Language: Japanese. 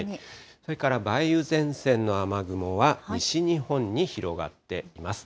それから梅雨前線の雨雲は西日本に広がっています。